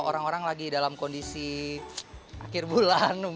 orang orang lagi dalam kondisi akhir bulan